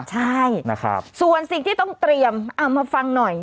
ใช่นะครับส่วนสิ่งที่ต้องเตรียมเอามาฟังหน่อย